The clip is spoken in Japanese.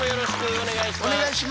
お願いします。